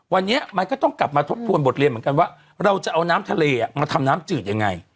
วันนี้มันก็ต้องกลับมาทบทวนบทเรียนเหมือนกันว่าเราจะเอาน้ำทะเลมาทำน้ำจืดยังไง